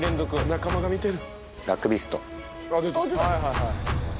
仲間が見てる。